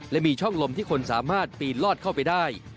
และมีช่องลมที่คนสามารถปีนลอดเข้าไปได้